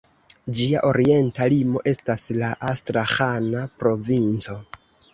Ĝia orienta limo estas la Astraĥana provinco.